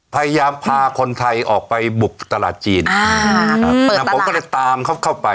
พยายามพาคนไทยออกไปบุกตลาดจีนอ่าครับผมก็เลยตามเขาเข้าไป